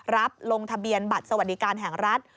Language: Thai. ลงทะเบียนบัตรสวัสดิการแห่งรัฐ